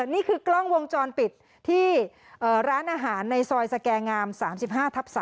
นี่คือกล้องวงจรปิดที่ร้านอาหารในซอยสแก่งาม๓๕ทับ๓